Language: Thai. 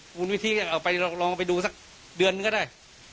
คุณวิธีเอาไปลองไปดูสักเดือนนึงก็ได้